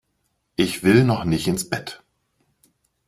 Ich will noch nicht ins Bett!